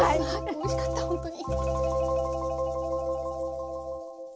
おいしかったほんとに。